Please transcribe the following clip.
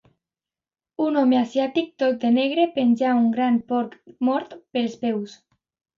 Un home asiàtic tot de negre penja un gran porc mort pels peus.